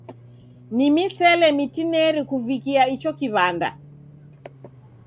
Ni misele mitineri kuvikia icho kiw'anda.